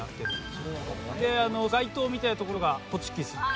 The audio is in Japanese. で街灯みたいなところがホチキスっていう。